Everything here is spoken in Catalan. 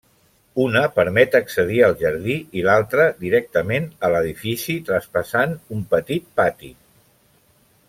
Una permet accedir al jardí i l'altre directament a l'edifici traspassant un petit pati.